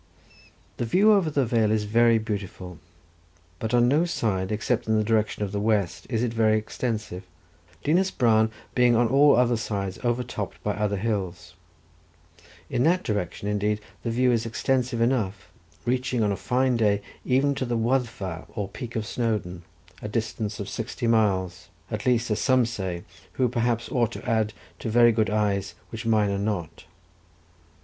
The view over the vale is very beautiful; but on no side, except in the direction of the west, is it very extensive, Dinas Bran being on all other sides overtopped by other hills: in that direction, indeed, the view is extensive enough, reaching on a fine day even to the Wyddfa or peak of Snowdon, a distance of sixty miles, at least as some say, who perhaps ought to add, to very good eyes, which mine are not.